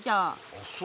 あっそう？